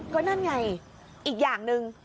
ก็นั่นไงอีกอย่างหนึ่ง